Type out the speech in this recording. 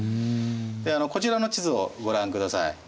でこちらの地図をご覧ください。